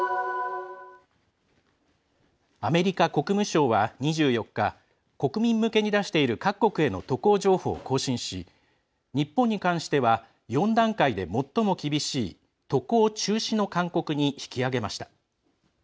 アメリカ国務省は２４日国民向けに出している各国への渡航情報を更新し日本に関しては４段階で最も厳しい渡航中止の勧告に引き上げました。